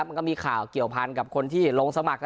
มันก็มีข่าวเกี่ยวพันกับคนที่ลงสมัคร